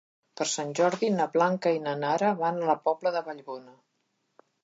Per Sant Jordi na Blanca i na Nara van a la Pobla de Vallbona.